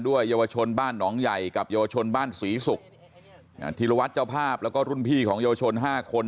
เยาวชนบ้านหนองใหญ่กับเยาวชนบ้านศรีศุกร์ธีรวัตรเจ้าภาพแล้วก็รุ่นพี่ของเยาวชนห้าคน